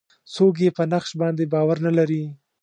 څوک یې په نقش باندې باور نه لري.